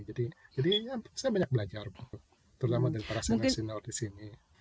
jadi saya banyak belajar terutama dari para senior senior di sini